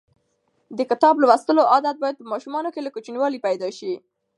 د کتاب لوستلو عادت باید په ماشومانو کې له کوچنیوالي پیدا شي.